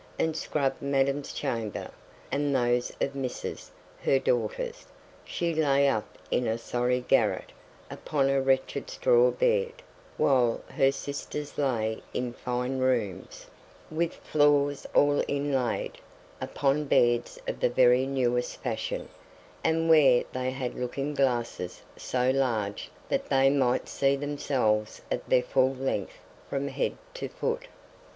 and scrubbed madam's chamber, and those of misses, her daughters; she lay up in a sorry garret, upon a wretched straw bed, while her sisters lay in fine rooms, with floors all inlaid, upon beds of the very newest fashion, and where they had looking glasses so large that they might see themselves at their full length from head to foot.